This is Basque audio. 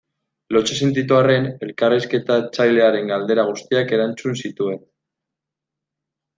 Lotsa sentitu arren elkarrizketatzailearen galdera guztiak erantzun zituen.